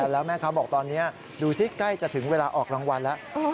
แล้วแม่ค้าบอกตอนนี้ดูสิใกล้จะถึงเวลาออกรางวัลแล้ว